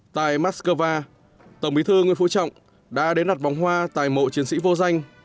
tại moscow tổng bí thư nguyễn phú trọng đã đến đặt bóng hoa tại mộ chiến sĩ vô danh